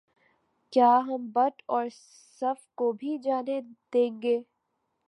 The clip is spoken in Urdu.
کیا ہم بٹ اور صف کو بھی جانے دیں گے